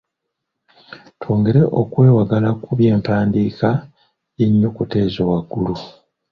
Twongere okwewagala ku by'empandiika y'ennyukuta ezo waggulu.